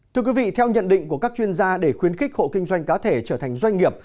thưa quý vị theo nhận định của các chuyên gia để khuyến khích hộ kinh doanh cá thể trở thành doanh nghiệp